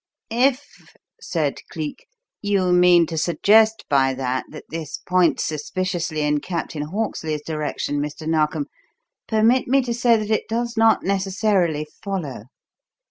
"If," said Cleek, "you mean to suggest by that that this points suspiciously in Captain Hawksley's direction, Mr. Narkom, permit me to say that it does not necessarily follow.